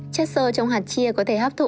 chất sơ trong hạt chia có thể hấp thụ